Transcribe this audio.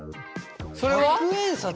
それは？